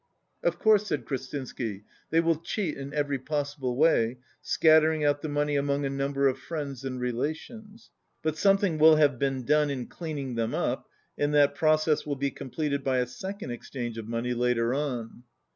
"Of course," said Krestinsky, "they will cheat in every possible way, scattering out the money among a number of friends and relations. But something will have been done in cleaning them up, and that process will be completed by a sec ond exchange of money later on."